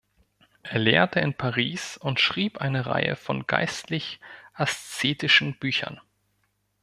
Er lehrte in Paris und schrieb eine Reihe von geistlich-aszetischen Büchern.